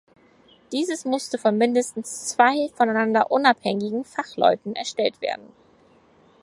Dieses müsste von mindestens zwei voneinander unabhängigen Fachleuten erstellt werden.